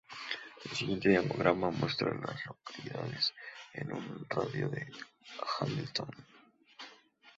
El siguiente diagrama muestra a las localidades en un radio de de Hamilton.